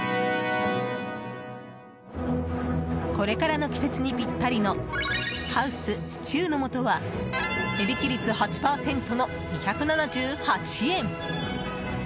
これからの季節にぴったりのハウスシチューの素は値引き率８％の２７８円。